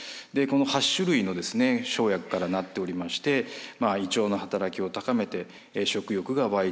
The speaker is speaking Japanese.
この８種類の生薬からなっておりまして胃腸の働きを高めて食欲が湧いてくる。